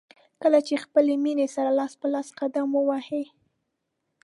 کله چې د خپلې مینې سره لاس په لاس قدم ووهئ.